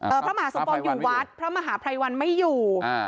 พระมหาสมปองอยู่วัดพระมหาภัยวันไม่อยู่อ่า